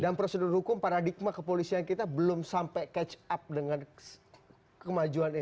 dan prosedur hukum paradigma kepolisian kita belum sampai catch up dengan kemajuan ini